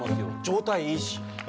状態いいし。